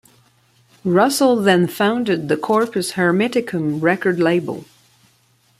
Russell then founded the Corpus Hermeticum record label.